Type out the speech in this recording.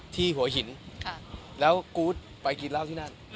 ที่หัวหินแล้วกู๊ดไปกินเหล้าที่นั่น